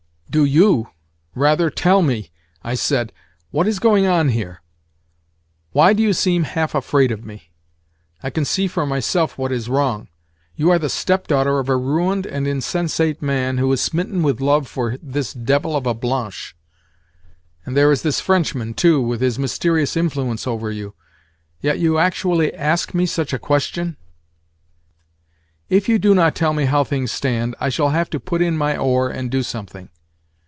"Do you, rather, tell me," I said, "what is going on here? Why do you seem half afraid of me? I can see for myself what is wrong. You are the step daughter of a ruined and insensate man who is smitten with love for this devil of a Blanche. And there is this Frenchman, too, with his mysterious influence over you. Yet, you actually ask me such a question! If you do not tell me how things stand, I shall have to put in my oar and do something.